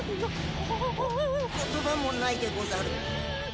言葉もないでござる。